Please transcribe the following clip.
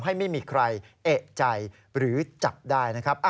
ไม่มีใครเอกใจหรือจับได้นะครับ